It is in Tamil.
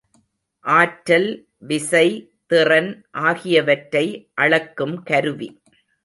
ஆற்றல், விசை, திறன் ஆகியவற்றை அளக்கும் கருவி.